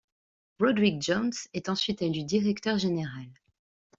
Roderick Jones est ensuite élu directeur général.